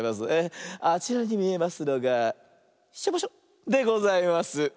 あちらにみえますのが「しょぼしょ」でございます。